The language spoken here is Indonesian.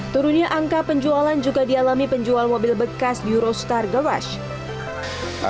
turunnya angka penjualan juga dialami penjual mobil bekas eurostar garage